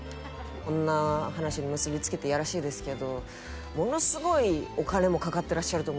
こんな話に結びつけてやらしいですけどものすごいお金もかかっていらっしゃると思うんですよ。